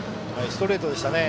ストレートでしたね。